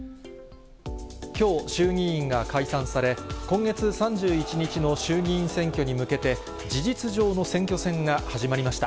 きょう、衆議院が解散され、今月３１日の衆議院選挙に向けて、事実上の選挙戦が始まりました。